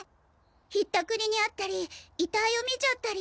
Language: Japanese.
引ったくりにあったり遺体を見ちゃったり。